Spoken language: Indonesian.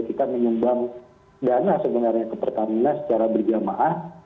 kita menyumbang dana sebenarnya ke pertamina secara berjamaah